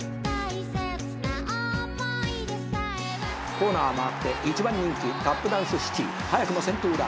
「コーナー回って１番人気タップダンスシチー早くも先頭だ」